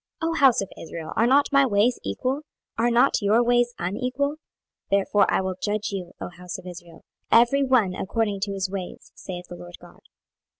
O house of Israel, are not my ways equal? are not your ways unequal? 26:018:030 Therefore I will judge you, O house of Israel, every one according to his ways, saith the Lord GOD.